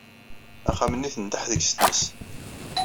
Axxam-nni tendeḥ deg-s tmes.